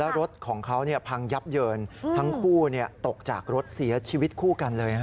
รถของเขาพังยับเยินทั้งคู่ตกจากรถเสียชีวิตคู่กันเลย